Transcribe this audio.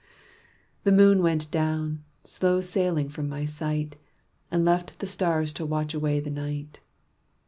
The moon went down, slow sailing from my sight, And left the stars to watch away the night.